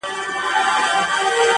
د شنبې په ورځ سهار بيرته.